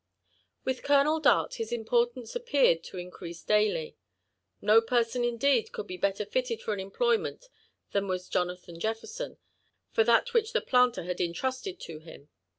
1 With Colonel Dart his importance appeared to increase daily. No person, indeed, could be better fitted for an employment than was lonathati lefTerson for that which the planter had entrusted to him.